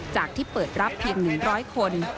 ที่เปิดรับเพียง๑๐๐คน